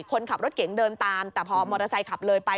คนขับรถเก๋งเดินตามแต่พอมอเตอร์ไซคับเลยไป